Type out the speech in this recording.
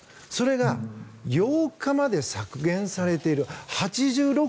それが８日まで削減されている。